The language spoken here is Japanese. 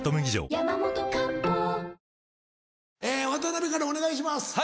渡辺からお願いします。